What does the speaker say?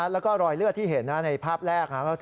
แล้วก็รอยเลือดที่เห็นในภาพแรก